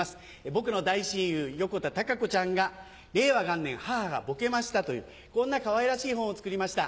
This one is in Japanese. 僕の大親友横田たかこちゃんが『令和元年母がボケました。』というこんなかわいらしい本を作りました。